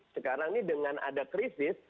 sekarang ini dengan ada krisis